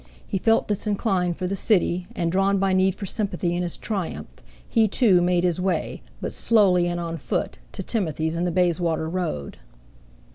He felt disinclined for the City, and drawn by need for sympathy in his triumph, he, too, made his way, but slowly and on foot, to Timothy's in the Bayswater Road.